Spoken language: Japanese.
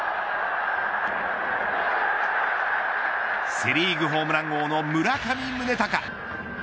セ・リーグホームラン王の村上宗隆